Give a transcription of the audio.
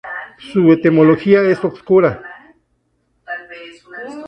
Su etimología es oscura.